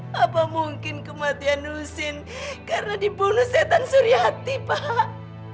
pak apa mungkin kematian nusin karena dibunuh setan suri hati pak